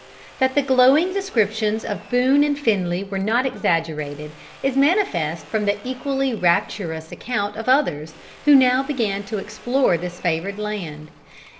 That the glowing descriptions of Boone and Finley were not exaggerated, is manifest from the equally rapturous account of others who now began to explore this favored land.